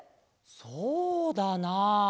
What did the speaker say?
そうだな。